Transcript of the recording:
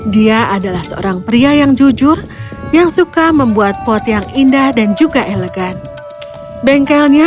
dia adalah seorang pria yang jujur yang suka membuat pot yang indah dan juga elegan bengkelnya